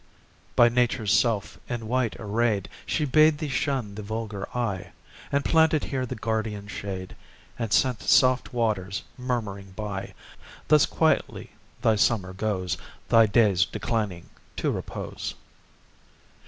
By Nature's self in white arrayed, She bade thee shun the vulgar eye, And planted here the guardian shade, And sent soft waters murmuring by; Thus quietly thy summer goes, Thy days declining to repose.